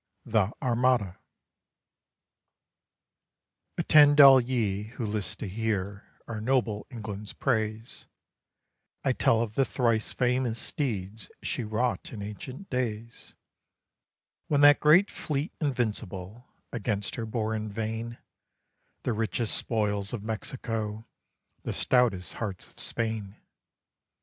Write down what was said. THE ARMADA Attend, all ye who list to hear our noble England's praise; I tell of the thrice famous deeds she wrought in ancient days, When that great fleet invincible against her bore in vain The richest spoils of Mexico, the stoutest hearts of Spain.